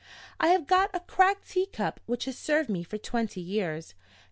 I have got a cracked tea cup which has served me for twenty years.